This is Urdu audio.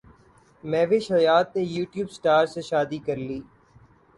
مہوش حیات نے یوٹیوب اسٹار سے شادی کرلی